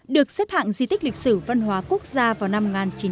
được xếp hạng di tích lịch sử văn hóa quốc gia vào năm một nghìn chín trăm chín mươi